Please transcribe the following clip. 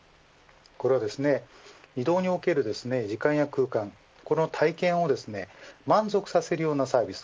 これは移動における時間や空間、この体験を満足させるようなサービス